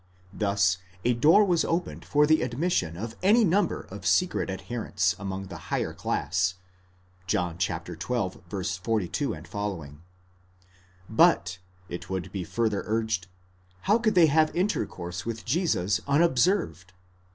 Thus a door was opened for the admission of any number of secret adherents among the higher class (John ΧΙ, 42 f.). But, it would be further urged, how could they have intercourse with Jesus unobserved?